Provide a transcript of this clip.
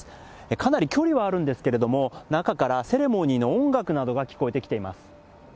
かなり距離はあるんですけれども、中からセレモニーの音楽などが聞こえてきています。